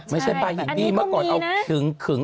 ไม่ใช่ปลาหินพี่พ่อก่อนเอาขึง